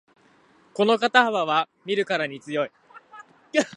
この肩幅は見るからに強い